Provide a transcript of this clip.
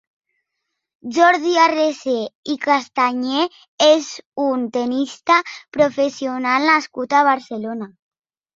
Jordi Arrese i Castañé és un tennista professional nascut a Barcelona.